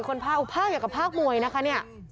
คนภาคอยากภาคมวยนะคะเนี่ย